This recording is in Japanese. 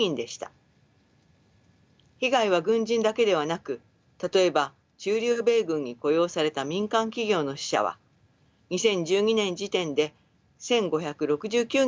被害は軍人だけではなく例えば駐留米軍に雇用された民間企業の死者は２０１２年時点で１，５６９人だったと発表されています。